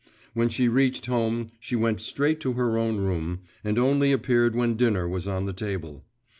When she reached home, she went straight to her own room, and only appeared when dinner was on the table.